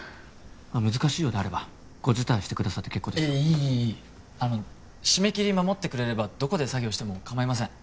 難しいようであればご辞退してくださって結構ですよいいいいあの締め切り守ってくれればどこで作業してもかまいません